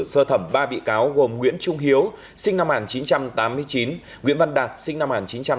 sơ thẩm ba bị cáo gồm nguyễn trung hiếu sinh năm một nghìn chín trăm tám mươi chín nguyễn văn đạt sinh năm một nghìn chín trăm tám mươi